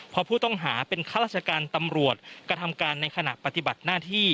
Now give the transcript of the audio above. พอผู้ต้องหาเป็นข้าราชการตำรวจกระทำการในขณะปฏิบัติหน้าที่